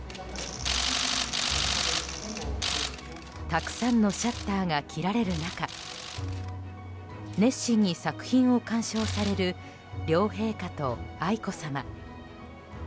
たくさんのシャッターが切られる中熱心に作品を鑑賞される両陛下と愛子さま。